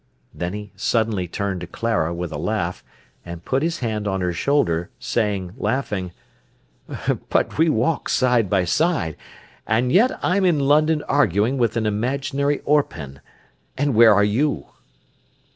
Then he suddenly turned to Clara with a laugh, and put his hand on her shoulder, saying, laughing: "But we walk side by side, and yet I'm in London arguing with an imaginary Orpen; and where are you?"